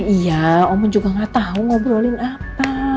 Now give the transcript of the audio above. iya om juga gak tau ngobrolin apa